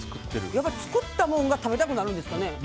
やっぱり作ったものが食べたくなるんですかね。